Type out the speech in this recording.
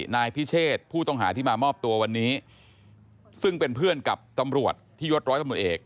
นายพิเชษผู้ต้องหาที่มามอบตัววันนี้ซึ่งเป็นเพื่อนกับตำรวจที่ยดร้อยตำรวจเอก